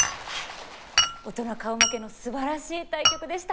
大人顔負けのすばらしい対局でした。